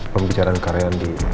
pembicaraan karyan di playground cafe